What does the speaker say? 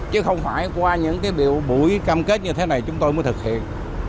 chứ không phải qua những cái biểu bụi cam kết như thế này chúng tôi mới thực hiện